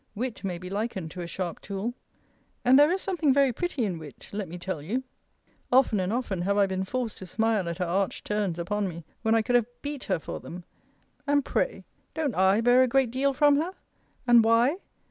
Wit may be likened to a sharp tool. And there is something very pretty in wit, let me tell you. Often and often have I been forced to smile at her arch turns upon me, when I could have beat her for them. And, pray, don't I bear a great deal from her? And why?